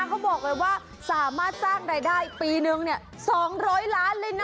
เขาบอกเลยว่าสามารถสร้างรายได้ปีนึง๒๐๐ล้านเลยนะ